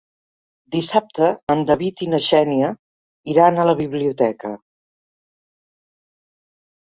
Dissabte en David i na Xènia iran a la biblioteca.